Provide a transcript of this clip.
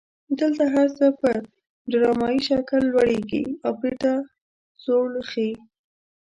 دلته هر څه په ډرامایي شکل لوړیږي او بیرته ځوړ خي.